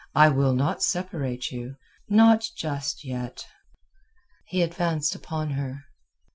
I will not separate you—not just yet." He advanced upon her.